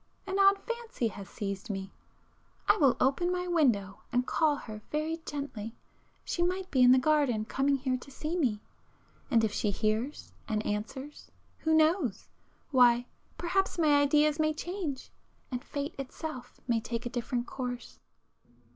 An odd fancy has seized me, ... I will open my window and call her very gently,—she might be in the garden coming here to see me,—and if she hears and [p 413] answers, who knows!—why, perhaps my ideas may change, and fate itself may take a different course!